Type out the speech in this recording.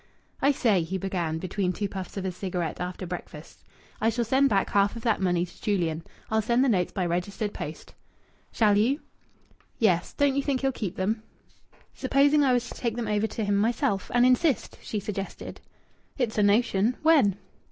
"I say," he began between two puffs of a cigarette after breakfast, "I shall send back half of that money to Julian. I'll send the notes by registered post." "Shall you?" "Yes. Don't you think he'll keep them?" "Supposing I was to take them over to him myself and insist?" she suggested. "It's a notion. When?"